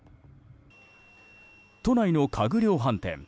都内の家具量販店。